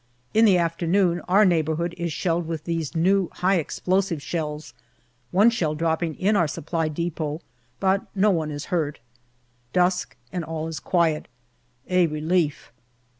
In the afternoon our neighbourhood is shelled with these new high explosive shells, one shell dropping in our Supply depot ; but no one is hurt. Dusk, and all is quiet. A relief.